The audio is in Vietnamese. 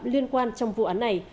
liên quan trong vụ án này